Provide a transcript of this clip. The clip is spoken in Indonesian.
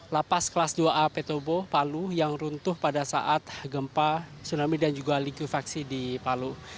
lapas kelas dua a petobo palu yang runtuh pada saat gempa tsunami dan juga likuifaksi di palu